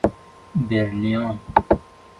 کژ ـ کج